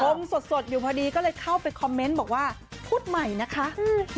สดสดอยู่พอดีก็เลยเข้าไปคอมเมนต์บอกว่าพูดใหม่นะคะอืม